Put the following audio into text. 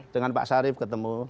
dengan pak sarif ketemu